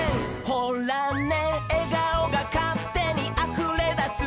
「ほらねえがおがかってにあふれだす」